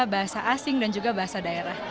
bahasa asing dan juga bahasa daerah